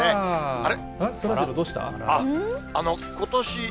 あれ？